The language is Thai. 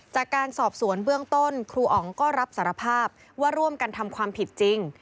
จากการสอบสวนเบื้องต้นครูอ๋องก็รับสารภาพว่าร่วมกันทำความผิดจริง